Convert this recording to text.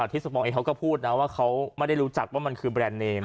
ที่สปองเองเขาก็พูดนะว่าเขาไม่ได้รู้จักว่ามันคือแบรนด์เนม